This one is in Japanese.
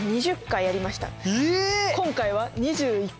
今回は２１回目。